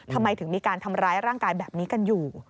ทำไมถึงมีการทำร้ายร่างกายแบบนี้กันอยู่